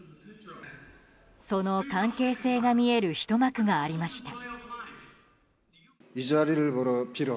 その関係性が見えるひと幕がありました。